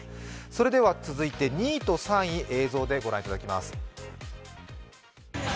それでは続いて２位と３位、映像で御覧いただきます。